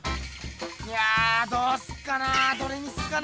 いやどうすっかなどれにすっかな。